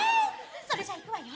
それじゃあいくわよ。